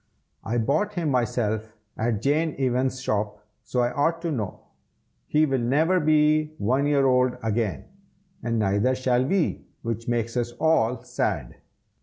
I bought him myself at Jane Evans's shop, so I ought to know. He will never be one year old again, and neither shall we, which makes us all sad."